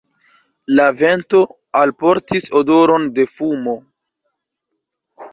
La vento alportis odoron de fumo.